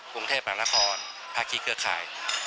กรุงเทพฝรรณภรณภวรรณ์ภาควิทยาลัภวร์